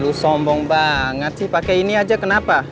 lu sombong banget sih pakai ini aja kenapa